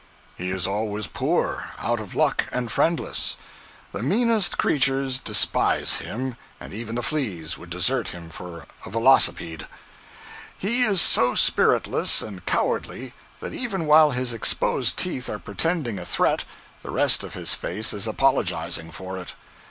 He is always poor, out of luck and friendless. The meanest creatures despise him, and even the fleas would desert him for a velocipede. He is so spiritless and cowardly that even while his exposed teeth are pretending a threat, the rest of his face is apologizing for it.